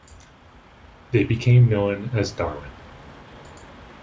They became known as Darwin.